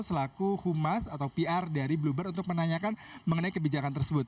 selaku humas atau pr dari bluebird untuk menanyakan mengenai kebijakan tersebut